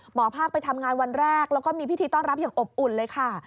หมอภาคไปทำงานวันแรกแล้วก็มีพิธีต้อนรับอย่างอบอุ่นเลยค่ะ